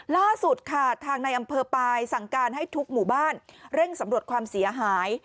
ล่าสุดค่ะทางในอำเภอปลายสั่งการให้ทุกหมู่บ้านเร่งสำรวจความเสียหาย